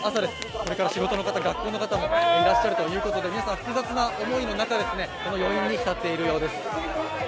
これから仕事の方、学校の方もいらっしゃる中、皆さん、複雑な思いの中で余韻に浸っているようです。